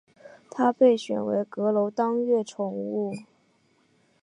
他被选为阁楼当月宠物。